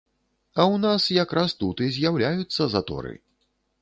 А ў нас якраз тут і з'яўляюцца заторы.